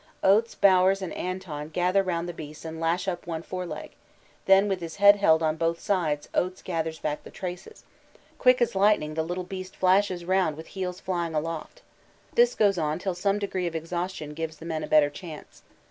Oates, Bowers, and Anton gather round the beast and lash up one foreleg, then with his head held on both sides Oates gathers back the traces; quick as lightning the little beast flashes round with heels flying aloft. This goes on till some degree of exhaustion gives the men a better chance.